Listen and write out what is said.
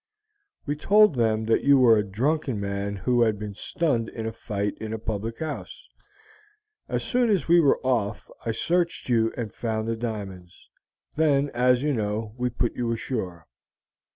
"We told them that you were a drunken man who had been stunned in a fight in a public house. As soon as we were off, I searched you and found the diamonds. Then, as you know, we put you ashore.